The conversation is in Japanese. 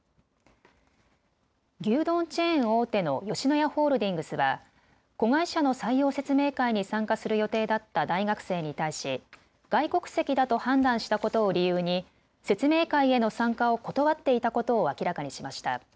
牛丼チェーン大手の吉野家ホールディングスは子会社の採用説明会に参加する予定だった大学生に対し外国籍だと判断したことを理由に説明会への参加を断っていたことを明らかにしました。